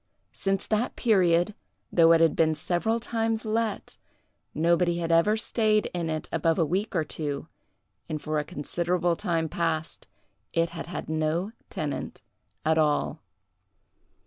Since that period, though it had been several times let, nobody had ever stayed in it above a week or two, and for a considerable time past it had had no tenant at all.